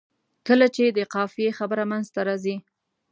کله چې د قافیې خبره منځته راځي.